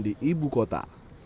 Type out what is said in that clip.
di ibu kota